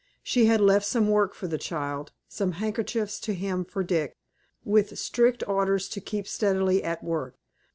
She had left some work for the child, some handkerchiefs to hem for Dick, with strict orders to keep steadily at work.